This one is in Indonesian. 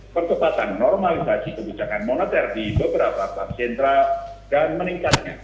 pertempatan normalisasi kegugakan moneter di beberapa kawasan sentral dan meningkatnya